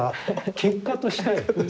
結果として。